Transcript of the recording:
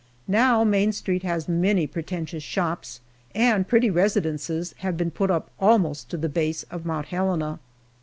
Now Main street has many pretentious shops, and pretty residences have been put up almost to the base of Mount Helena.